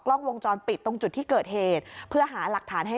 กล้องวงจรปิดตรงจุดที่เกิดเหตุเพื่อหาหลักฐานให้